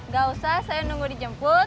gak usah saya nunggu dijemput